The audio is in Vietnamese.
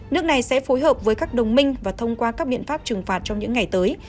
nước này sẽ phối hợp với các đồng minh và thông qua các biện pháp trừng phạt trong những ngày tới